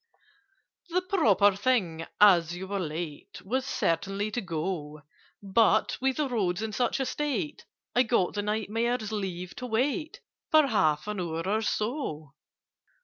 "The proper thing, as you were late, Was certainly to go: But, with the roads in such a state, I got the Knight Mayor's leave to wait For half an hour or so."